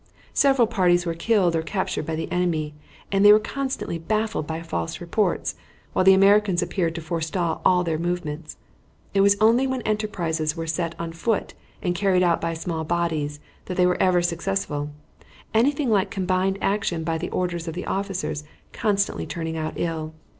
Several parties were killed or captured by the enemy, and they were constantly baffled by false reports, while the Americans appeared to forestall all their movements. It was only when enterprises were set on foot and carried out by small bodies that they were ever successful, anything like combined action by the orders of the officers constantly turning out ill.